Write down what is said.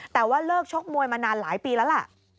แต่ว่าเลิกชกมวยมานานหลายปีแล้วล่ะ